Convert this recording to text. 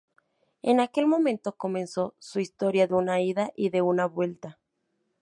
En aquel momento comenzó su "Historia de una ida y de una vuelta".